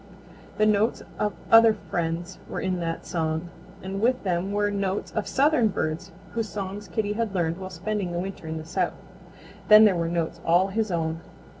The notes of other friends were in that song, and with them were notes of southern birds whose songs Kitty had learned while spending the winter in the South. Then there were notes all his own.